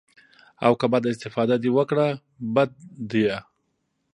او که بده استفاده دې وکړه بد ديه.